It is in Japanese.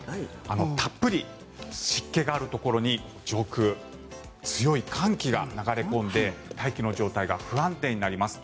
たっぷり湿気があるところに上空、強い寒気が流れ込んで大気の状態が不安定になります。